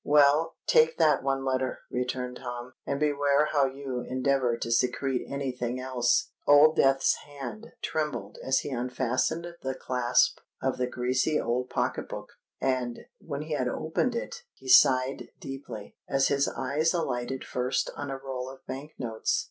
"Well—take that one letter," returned Tom; "and beware how you endeavour to secrete any thing else." Old Death's hand trembled as he unfastened the clasp of the greasy old pocket book; and, when he had opened it, he sighed deeply, as his eyes alighted first on a roll of Bank notes.